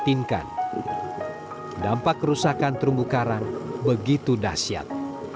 mereka memikirkan dampak kerusakan terumbu karang begitu dahsyat